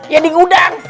ya di gudang